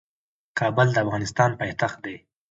کابل د افغانستان پايتخت دي.